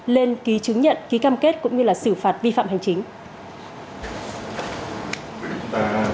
lên ký chứng nhận ký cam kết cũng như là xử phạt vi phạm hành chính